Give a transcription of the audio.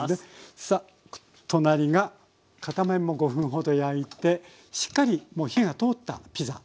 さあ隣が片面も５分ほど焼いてしっかりもう火が通ったピザなんですね。